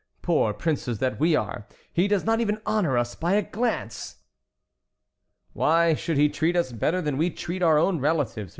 Poor princes that we are, he does not even honor us by a glance." "Why should he treat us better than we treat our own relatives?"